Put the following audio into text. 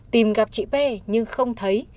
tìm gặp chị pê nhưng không thấy